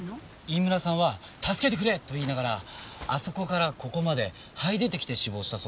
飯村さんは助けてくれ！と言いながらあそこからここまで這い出てきて死亡したそうです。